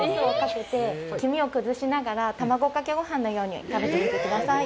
黄身を崩しながら、卵かけごはんのように食べてください。